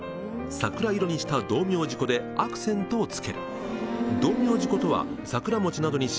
桜色にした道明寺粉でアクセントをつける。